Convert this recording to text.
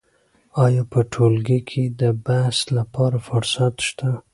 آیا په ټولګي کې د بحث لپاره فرصت شته؟